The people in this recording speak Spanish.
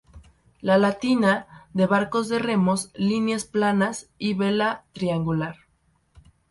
La latina, de barcos de remos, líneas planas y vela triangular.